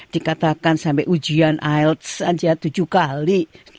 dikatakan sampai ujian ilts aja tujuh kali